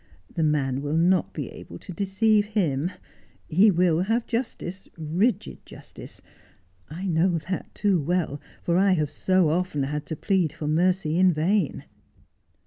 The man will not be able to deceive him. He will have justice, rigid justice ; I know that too well, for I have so often had to plead for mercy in vain.'